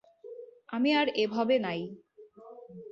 আমি আর এভবে নাই!